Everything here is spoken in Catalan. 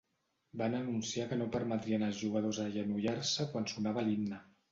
Van anunciar que no permetrien als jugadors agenollar-se quan sonava l’himne.